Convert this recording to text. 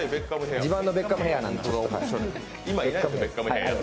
自慢のベッカムヘアなんで。